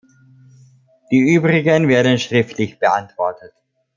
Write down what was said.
Die übrigen werden schriftlich beantwortet.